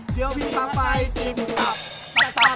เดี๋ยวพี่จะไปกินตับ